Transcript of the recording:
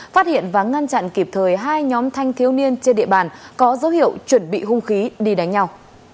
phát hiện và ngăn chặn kịp thời hai nhóm thanh thiếu niên trên địa bàn có dấu hiệu chuẩn bị hung khí đi đánh nhau